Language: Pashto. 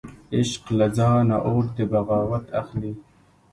عشق له ځانه اور د بغاوت اخلي